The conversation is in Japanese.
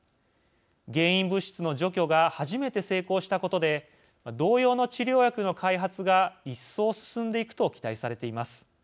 原因物質の除去が初めて成功したことで同様の治療薬の開発が一層、進んでいくと期待されています。